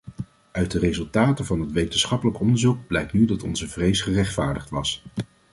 Uit de resultaten van het wetenschappelijk onderzoek blijkt nu dat onze vrees gerechtvaardigd was.